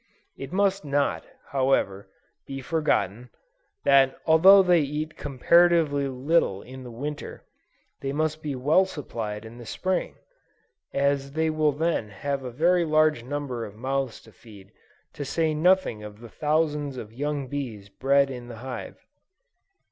It must not, however, be forgotten, that although they eat comparatively little in the Winter, they must be well supplied in the Spring; as they will then have a very large number of mouths to feed, to say nothing of the thousands of young bees bred in the hive.